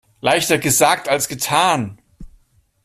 Leichter gesagt als getan.